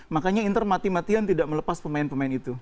makanya inter mati matian tidak melepas pemain pemain itu